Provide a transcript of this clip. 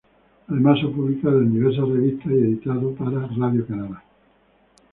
Además, ha publicado en diversas revistas y editado para Radio-Canada.